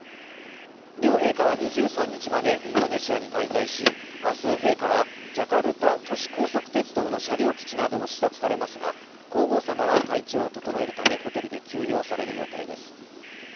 両陛下は２３日までインドネシアに滞在し、明日陛下は、ジャカルタ都市高速鉄道の車両基地などを視察されますが皇后さまは体調を整えるためホテルで休養される予定です。